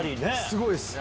すごいです！